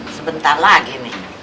sebentar lagi nih